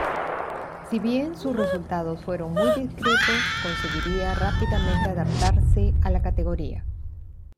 Si bien sus resultados fueron muy discretos, conseguiría rápidamente adaptarse a la categoría.